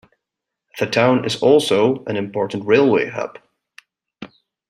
The town is also an important railway hub.